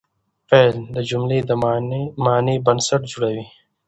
فاعل د جملې د معنی بنسټ جوړوي.